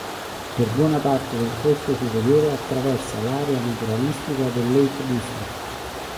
Per buona parte del corso superiore attraversa l'area naturalistica del Lake District.